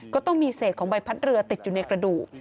ก็ต้องมีเศษของใบพัดเรือติดอยู่ในกระดูก